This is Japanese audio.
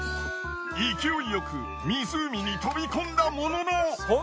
勢いよく湖に飛び込んだものの。